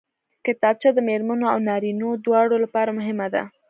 کتابچه د مېرمنو او نارینوو دواړو لپاره مهمه ده